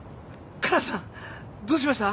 かなさんどうしました？